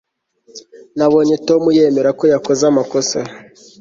nabonye tom yemera ko yakoze amakosa